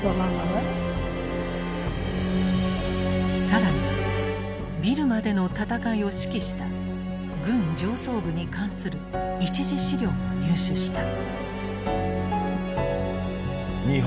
更にビルマでの戦いを指揮した軍上層部に関する一次資料も入手した。